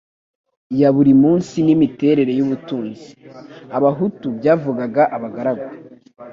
ya buri munsi n'imiterere y'ubutunzi (Abahutu byavugaga abagaragu,